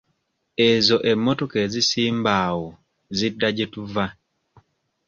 Ezo emmotoka ezisimba awo zidda gye tuva.